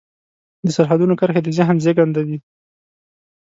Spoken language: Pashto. د سرحدونو کرښې د ذهن زېږنده دي.